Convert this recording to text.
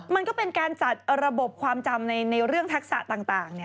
มันก็เป็นการจัดระบบความจำในเรื่องทักษะต่าง